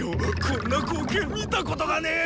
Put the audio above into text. こんな光景見たことがねぇ。